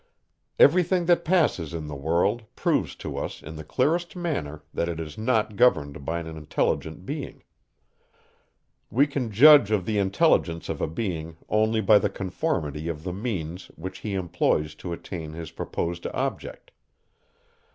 Every thing that passes in the world, proves to us, in the clearest manner, that it is not governed by an intelligent being. We can judge of the intelligence of a being only by the conformity of the means, which he employs to attain his proposed object.